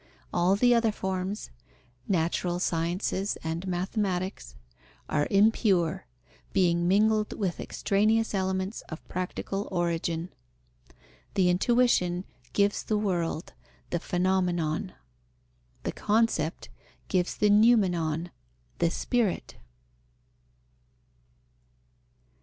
All the other forms (natural sciences and mathematics) are impure, being mingled with extraneous elements of practical origin. The intuition gives the world, the phenomenon; the concept gives the noumenon, the Spirit.